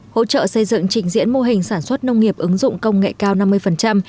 hỗ trợ xây dựng trình diễn mô hình sản xuất nông nghiệp ứng dụng công nghệ cao năm mươi